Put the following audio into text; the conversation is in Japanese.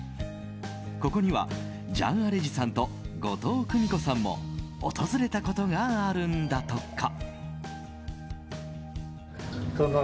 ここにはジャン・アレジさんと後藤久美子さんも訪れたことがあるんだとか。